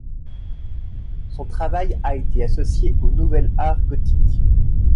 Son travail a été associé au nouvel art gothique.